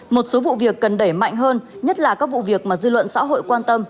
một số vụ việc cần đẩy mạnh hơn nhất là các vụ việc mà dư luận xã hội quan tâm